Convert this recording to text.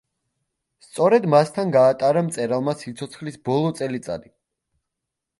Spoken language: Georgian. სწორედ მასთან გაატარა მწერალმა სიცოცხლის ბოლო წელიწადი.